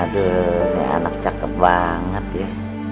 aduh ini enak cakep banget ya